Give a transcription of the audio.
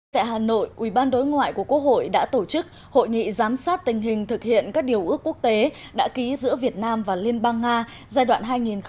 tại hà nội ubnd của quốc hội đã tổ chức hội nghị giám sát tình hình thực hiện các điều ước quốc tế đã ký giữa việt nam và liên bang nga giai đoạn hai nghìn một hai nghìn một mươi tám